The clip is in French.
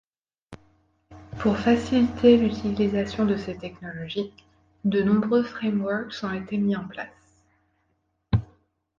Pour faciliter l’utilisation de ces technologies, de nombreux frameworks ont été mis en place.